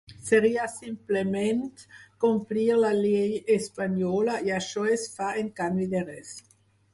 Seria simplement complir la llei espanyola, i això es fa en canvi de res.